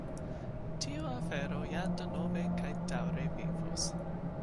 Tiu afero ja denove kaj daŭre vivos.